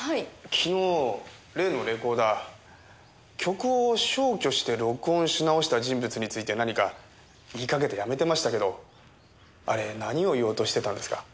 昨日例のレコーダー曲を消去して録音し直した人物について何か言いかけてやめてましたけどあれ何を言おうとしてたんですか？